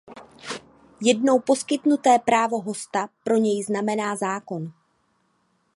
Jednou poskytnuté právo hosta pro něj znamená zákon.